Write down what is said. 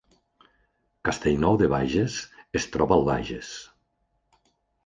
Castellnou de Bages es troba al Bages